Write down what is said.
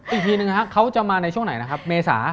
อีกทีนึงนะครับเขาจะมาในช่วงไหนนะครับเมษา